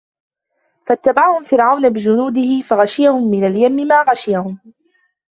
فأتبعهم فرعون بجنوده فغشيهم من اليم ما غشيهم